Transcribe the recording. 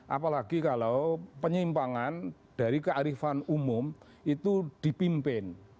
apalagi kalau penyimpangan dari kearifan umum itu dipimpin